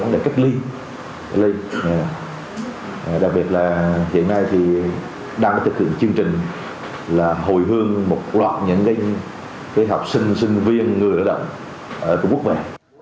đặc biệt là hiện nay thì đang thực hiện chương trình là hồi hương một loạt nhận kinh với học sinh sinh viên người lợi động ở trung quốc này